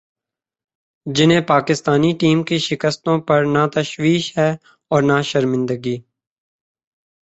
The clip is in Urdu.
جنہیں پاکستانی ٹیم کی شکستوں پر نہ تشویش ہے اور نہ شرمندگی ۔